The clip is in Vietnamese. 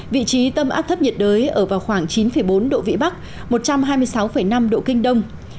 vị trí tâm áp thấp nhiệt đới ở vào khoảng chín bốn độ vĩ bắc một trăm hai mươi sáu năm độ kinh đông